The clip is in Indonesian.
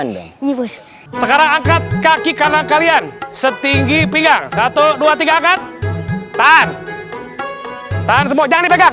barang om siang muzzahara muslimis di samping karena secara nytik ustadz badung semua orang jificat